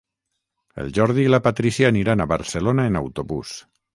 El Jordi i la Patrícia aniran a Barcelona en autobús.